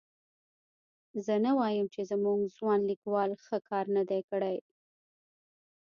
زه نه وایم چې زموږ ځوان لیکوال ښه کار نه دی کړی.